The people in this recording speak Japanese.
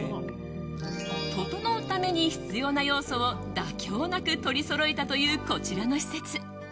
ととのうために必要な要素を妥協なく取りそろえたというこちらの施設。